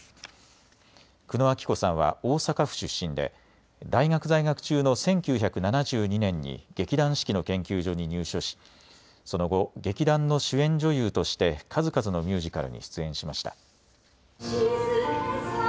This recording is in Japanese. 久野綾希子さんは大阪府出身で大学在学中の１９７２年に劇団四季の研究所に入所しその後、劇団の主演女優として数々のミュージカルに出演しました。